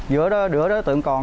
giữa đứa đối tượng còn